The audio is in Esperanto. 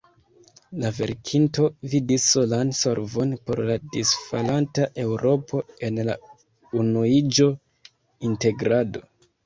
La verkinto vidis solan solvon por la disfalanta Eŭropo en la unuiĝo, integrado.